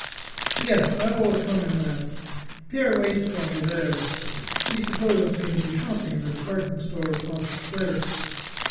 "Yes. I always come in that. Pierre waits for me there. He supposes me to be shopping in the department store across the square.